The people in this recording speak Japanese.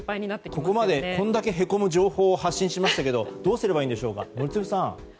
ここまでこんなにへこむ情報を発信しましたがどうすればいいんでしょうか宜嗣さん。